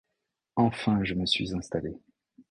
Enfin je me suis installée.